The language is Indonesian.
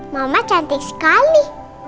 mama cantik sekali